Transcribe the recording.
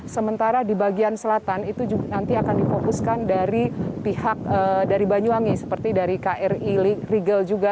sementara di bagian selatan itu juga nanti akan difokuskan dari pihak dari banyuwangi seperti dari kri rigel juga